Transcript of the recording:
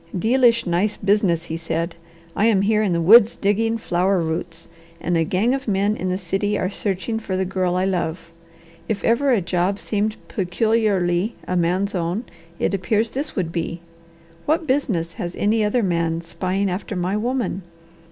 "Dealish nice business!" he said. "I am here in the woods digging flower roots, and a gang of men in the city are searching for the girl I love. If ever a job seemed peculiarly a man's own, it appears this would be. What business has any other man spying after my woman?